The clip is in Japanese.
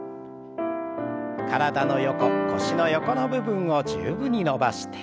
体の横腰の横の部分を十分に伸ばして。